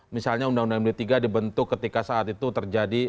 misalnya undang undang md tiga dibentuk ketika saat itu terjadi